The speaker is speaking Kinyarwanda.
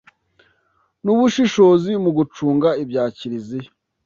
n’ubushishozi mu gucunga ibya Kiliziya